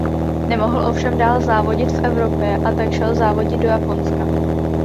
Nemohl ovšem dál závodit v Evropě a tak šel závodit do Japonska.